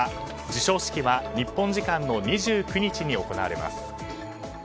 授賞式は日本時間の２９日に行われます。